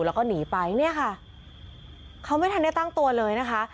แล้วก็หนีไปเนี่ยค่ะเขาไม่ทันได้ตั้งตัวเลยนะคะ